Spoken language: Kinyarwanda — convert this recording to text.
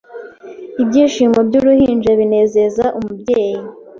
Ibyishimo byuruhinja binezeza umubyeyi